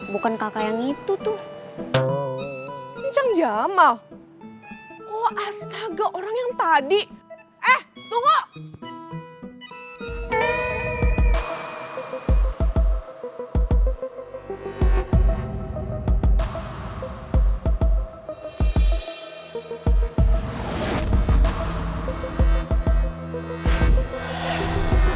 bukan kakak yang itu tuh jama jama oh astaga orang yang tadi eh tunggu